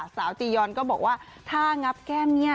สาวจียอนก็บอกว่าถ้างับแก้มเนี่ย